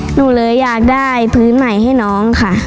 หนูเลยอยากได้พื้นใหม่ให้น้องค่ะ